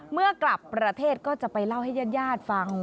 เมื่อกลับประเทศก็จะไปเล่าให้ญาติฟัง